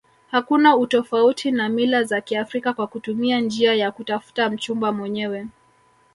Hakuna utofauti na mila za kiafrika kwa kutumia njia ya kutafuta mchumba mwenyewe